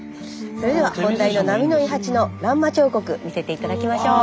それでは本題の波の伊八の欄間彫刻見せて頂きましょう。